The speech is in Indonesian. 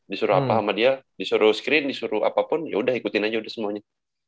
disuruh apa sama dia disuruh screen disuruh apapun yaudah ikutin aja udah semuanya